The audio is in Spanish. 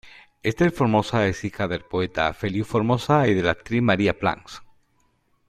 Ester Formosa es hija del poeta Feliu Formosa y de la actriz Maria Plans.